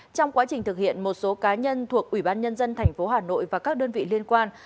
trong quá trình thực hiện một số cá nhân thuộc ubnd tp hà nội và các đơn vị liên quan